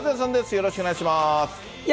よろしくお願いします。